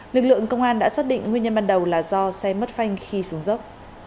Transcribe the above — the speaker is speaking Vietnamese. lực lượng công an đã xác định nguyên nhân ban đầu là do xe mất phanh khi xuống dốc